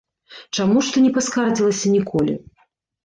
Чаму ж ты не паскардзілася ніколі?